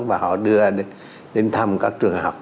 và họ đưa đến thăm các trường học